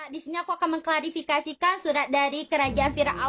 di sini aku akan mengklarifikasikan surat dari kerajaan firaun